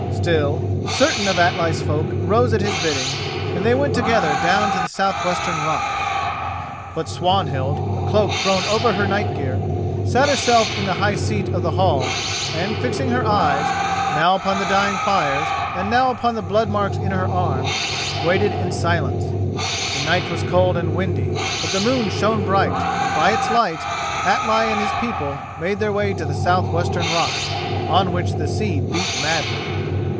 Still, certain of Atli's folk rose at his bidding, and they went together down to the south western rocks. But Swanhild, a cloak thrown over her night gear, sat herself in the high seat of the hall and fixing her eyes, now upon the dying fires and now upon the blood marks in her arm, waited in silence. The night was cold and windy, but the moon shone bright, and by its light Atli and his people made their way to the south western rocks, on which the sea beat madly.